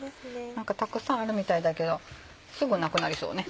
何かたくさんあるみたいだけどすぐなくなりそうね。